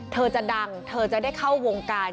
เธอจะดังเธอจะได้เข้าวงการ